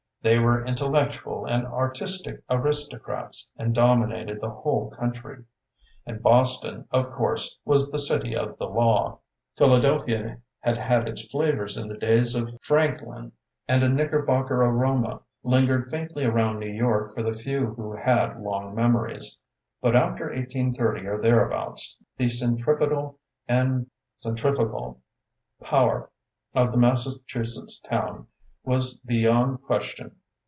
They were intellectual and artistic aristocrats and dominated the whole country. And Boston, of course, was the City of the Law. Philadelphia had had its flavors in the days of 59 60 THE BOOKMAN Franklin, and a Knickerbocker aroma lingered faintly around New York for the few who had long memories. But after 1830 or thereabouts, the centri petal and centrifugal power of the Massachusetts town was beyond ques tion.